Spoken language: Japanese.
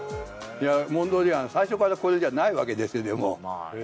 モンドリアン最初からこれじゃないわけですでも。